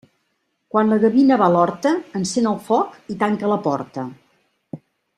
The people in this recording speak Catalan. Quan la gavina va a l'horta, encén el foc i tanca la porta.